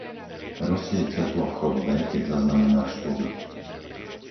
Rozsvieť svetlo v chodbe, keď zaznamenáš pohyb.